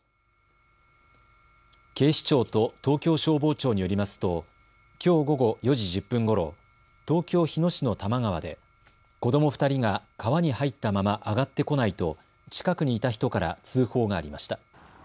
警視庁と東京消防庁によりますときょう午後４時１０分ごろ東京日野市の多摩川で子ども２人が川に入ったままあがってこないと近くにいた人から通報がありました。